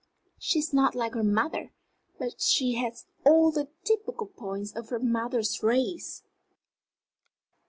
"She is not like her mother, but she has all the typical points of her mother's race."